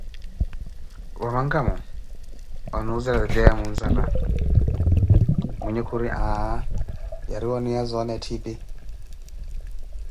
Wa mankamo? Onuzeela titiya wa muinzala. Mwinhe khuri aaa yariwa oniya zona etthiipi